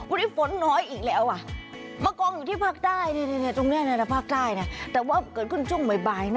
วันนี้ฝนน้อยอีกแล้วมากองอยู่ที่ภาคใต้ตรงนี้ภาคใต้นะแต่ว่าเกิดขึ้นช่วงบ่าย